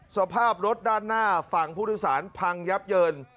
สภาพรถด้านหน้าฝั่งผู้โดยสารพังยับเยิน